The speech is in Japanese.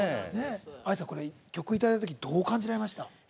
ＡＩさん、曲をいただいたときどう感じられました？